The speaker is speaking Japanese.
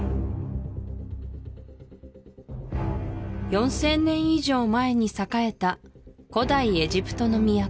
４０００年以上前に栄えた古代エジプトの都